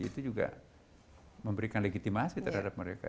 itu juga memberikan legitimasi terhadap mereka